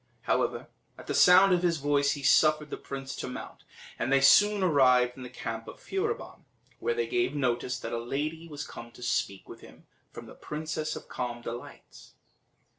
However, at the sound of his voice, he suffered the prince to mount, and they soon arrived in the camp of Furibon, where they gave notice that a lady was come to speak with him from the Princess of Calm Delights.